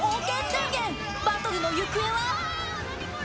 バトルの行方は？